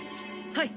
はい！